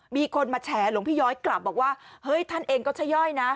มีคนมาแฉหลวงพี่ย้อยกลับบอกว่าเฮ้ยท่านเองก็ชะย่อยนะ